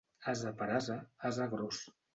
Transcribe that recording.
Ase per ase, ase gros.